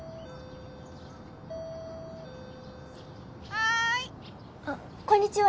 「はーい」こんにちは。